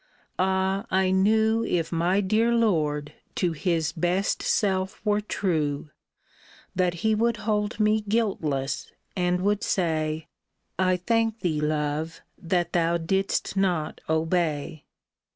Ah ! I knew If my dear lord to his best self were true, That he would hold me guiltless, and would say, " I thank thee, love, that thou didst not obey